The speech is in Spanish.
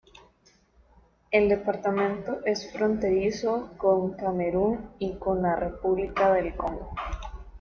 El departamento es fronterizo con Camerún y con la República del Congo.